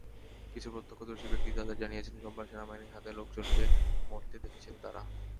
কিছু প্রত্যক্ষদর্শী ব্যক্তি তাঁদের জানিয়েছেন, সোমবার সেনাবাহিনীর হাতে লোকজনকে মরতে দেখেছেন তাঁরা।